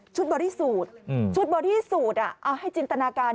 ชุดบอรี่สูตรชุดบอรี่สูตรให้จินตนาการ